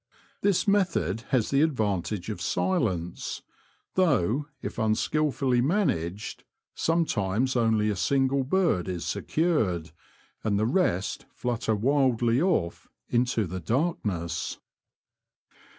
This method has the advantage of silence, though, if unskilfully managed, sometimes only a single bird is secured, and the rest flutter wildly off into the darkness.